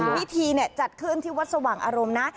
พิธีจัดขึ้นที่วัดสว่างอารมณ์นะ